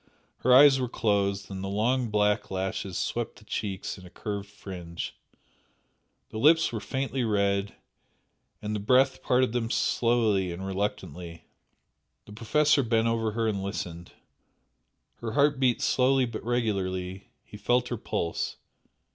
Her eyes were closed, and the long black lashes swept the cheeks in a curved fringe, the lips were faintly red, and the breath parted them slowly and reluctantly. The Professor bent over her and listened, her heart beat slowly but regularly, he felt her pulse.